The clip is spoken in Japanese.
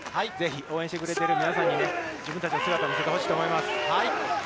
応援してくれている皆さんに、その姿を見せてほしいと思います。